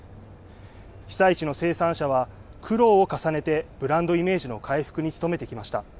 被災地の生産者は、苦労を重ねて、ブランドイメージの回復に努めてきました。